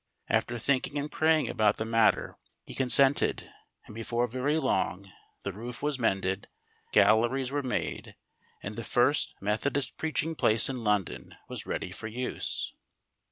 After thinking and praying about the matter he consented, and before very long the roof was mended, galleries were made, and the first Methodist preaching place in London was ready for use.